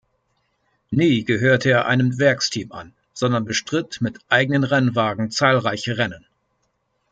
Nie gehörte er einem Werksteam an, sondern bestritt mit eigenen Rennwagen zahlreiche Rennen.